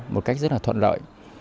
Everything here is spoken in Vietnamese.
một cách rất là thuận lợi